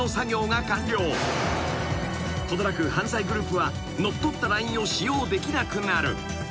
［程なく犯罪グループは乗っ取ったＬＩＮＥを使用できなくなる］